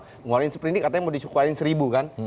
mengeluarkan seperti ini katanya mau disukain seribu kan